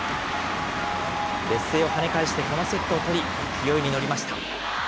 劣勢をはね返してこのセットを取り、勢いに乗りました。